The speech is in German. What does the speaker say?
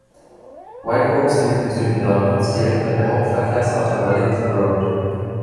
White Oaks liegt im Süden Londons, direkt an der Hauptverkehrsader Wellington Road.